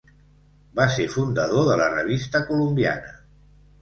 Va ser fundador de la Revista Colombiana.